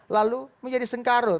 lalu menjadi sengkarut